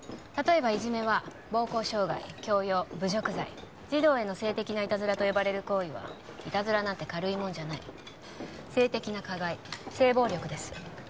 たとえば「いじめ」は暴行傷害強要侮辱罪児童への性的ないたずらと呼ばれる行為はいたずらなんて軽いもんじゃない性的な加害性暴力です